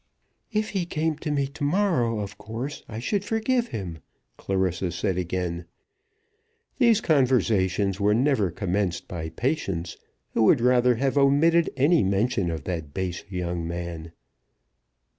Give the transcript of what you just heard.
"If he came to me to morrow, of course I should forgive him," Clarissa said again. These conversations were never commenced by Patience, who would rather have omitted any mention of that base young man.